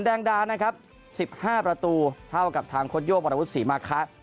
แดงดาสิบห้าประตูเท่ากับทางโคตรโยคมรวมฤทธิ์ศรีมะคะ